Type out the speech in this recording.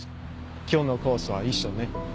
今日のコースは一緒ね。